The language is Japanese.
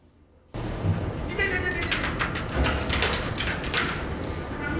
いてててて。